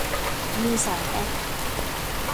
มีสองแอค